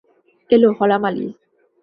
এল হলা মালী।